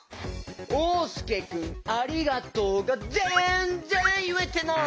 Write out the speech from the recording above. おうすけくん「ありがとう」がぜんぜんいえてない！